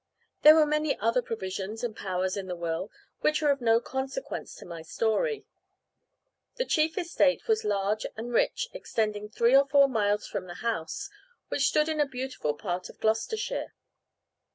There were many other provisions and powers in the will, which are of no consequence to my story. The chief estate was large and rich, extending three or four miles from the house, which stood in a beautiful part of Gloucestershire.